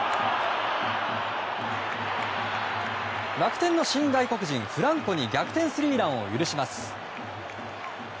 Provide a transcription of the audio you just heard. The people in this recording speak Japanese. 楽天の新外国人フランコに逆転スリーランを許します。